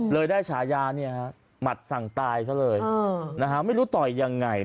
เลยได้ฉายาเนี่ยฮะมัดสั่งตายซะเลย